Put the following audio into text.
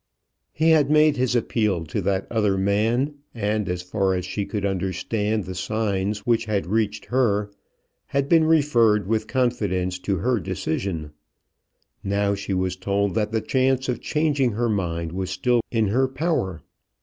He had made his appeal to that other man, and, as far as she could understand the signs which had reached her, had been referred with confidence to her decision. Now she was told that the chance of changing her mind was still in her power.